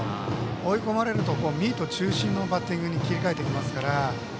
追い込まれるとミート中心のバッティングに切り替えてきますから。